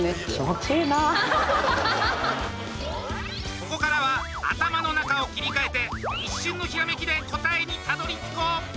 ここからは頭の中を切り替えて一瞬のひらめきで答えにたどり着こう！